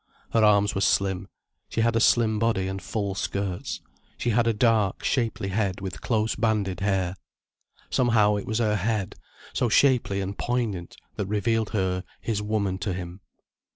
Her arms were slim, she had a slim body and full skirts, she had a dark, shapely head with close banded hair. Somehow it was her head, so shapely and poignant, that revealed her his woman to him.